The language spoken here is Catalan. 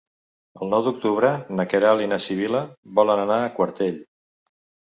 El nou d'octubre na Queralt i na Sibil·la volen anar a Quartell.